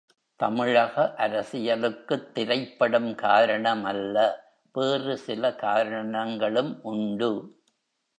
தமிழக அரசியலுக்குத் திரைப்படம் காரணம் அல்ல வேறு சில காரணங்களும் உண்டு.